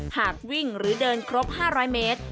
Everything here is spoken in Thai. หากวิ่งหรือเดินครบ๕๐๐เมตร